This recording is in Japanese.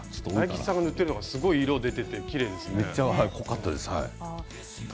大吉さんが塗っているのは色が出ていて、きれいですね。